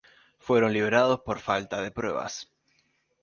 Fueron liberados por falta de pruebas.